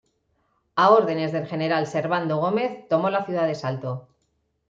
A órdenes del general Servando Gómez tomó la ciudad de Salto.